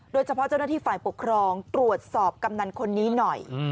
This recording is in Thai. เจ้าหน้าที่ฝ่ายปกครองตรวจสอบกำนันคนนี้หน่อย